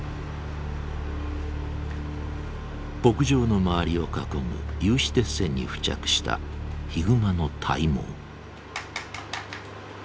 牧場の周りを囲む有刺鉄線に付着したヒグマの体毛。